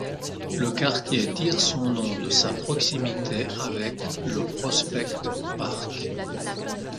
Le quartier tire son nom de sa proximité avec le Prospect Park.